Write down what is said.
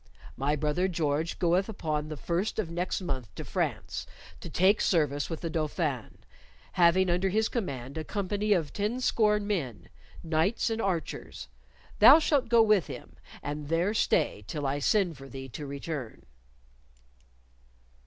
My brother George goeth upon the first of next month to France to take service with the Dauphin, having under his command a company of tenscore men knights and archers; thou shalt go with him, and there stay till I send for thee to return."